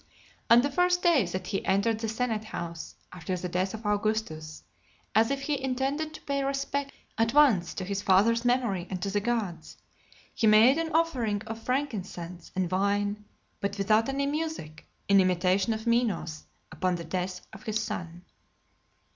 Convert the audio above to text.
And the first day that he entered the senate house, after the death of Augustus, as if he intended to pay respect at once to his father's memory and to the gods, he made an offering of frankincense and wine, but without any music, in imitation of Minos, upon the death of his son.